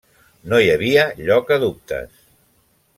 No hi havia lloc a dubtes.